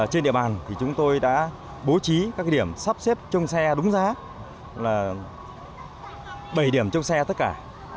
trên địa bàn thì chúng tôi đã bố trí các điểm sắp xếp trông xe đúng giá là bảy điểm chống xe tất cả